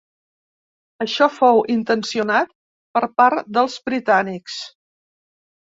Això fou intencionat per part dels britànics.